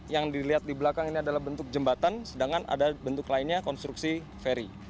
yang dilihat di belakang ini adalah bentuk jembatan sedangkan ada bentuk lainnya konstruksi ferry